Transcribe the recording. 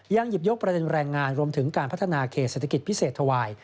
หยิบยกประเด็นแรงงานรวมถึงการพัฒนาเขตเศรษฐกิจพิเศษถวาย